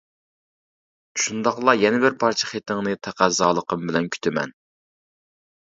شۇنداقلا يەنە بىر پارچە خېتىڭنى تەقەززالىقىم بىلەن كۈتىمەن.